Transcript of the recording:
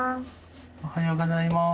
おはようございます。